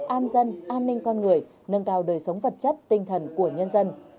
an dân an ninh con người nâng cao đời sống vật chất tinh thần của nhân dân